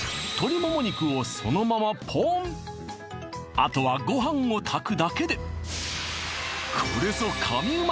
あとはご飯を炊くだけでこれぞ神ウマ！